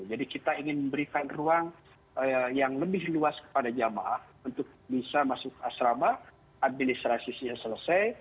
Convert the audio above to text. kita ingin memberikan ruang yang lebih luas kepada jamaah untuk bisa masuk asrama administrasinya selesai